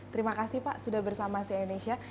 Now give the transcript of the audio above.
terima kasih pak sudah bersama si indonesia